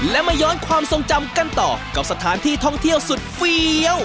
และมาย้อนความทรงจำกันต่อกับสถานที่ท่องเที่ยวสุดเฟี้ยว